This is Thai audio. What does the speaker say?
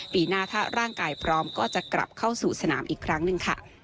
ปีหน้าถ้าร่างกายพร้อมก็จะกลับเข้าสู่สนามอีกครั้งหนึ่งค่ะ